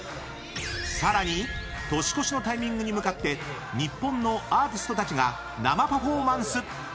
更に年越しのタイミングに向かって日本のアーティストたちが生パフォーマンス！